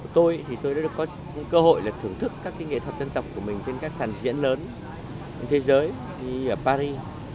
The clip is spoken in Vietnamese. tôi đã được cơ hội thưởng thức các nghệ thuật dân tộc của mình trên các sàn diễn lớn thế giới như paris